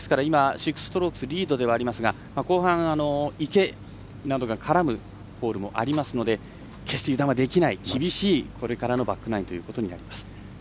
６ストロークリードではありますが後半、池などが絡むホールもありますので決して、油断はできない厳しいこれからのバックナインです。